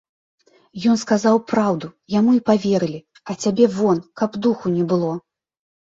Ён сказаў праўду, яму і паверылі, а цябе вон, каб духу не было.